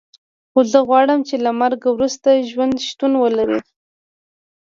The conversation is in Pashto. خو زه غواړم چې له مرګ وروسته ژوند شتون ولري